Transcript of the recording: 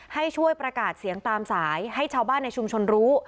ให้ช่วยประกาศเสียงตามสายให้ชาวบ้านในชุมชนรู้